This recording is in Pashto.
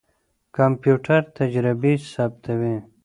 کمپيوټر تجربې ثبتوي.